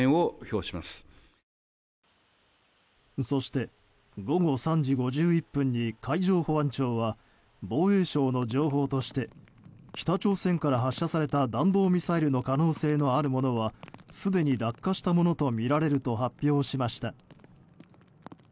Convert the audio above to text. そして、午後３時５１分に海上保安庁は防衛省の情報として北朝鮮から発射された弾道ミサイルの可能性があるものはすでに落下したものとみられると発表しました。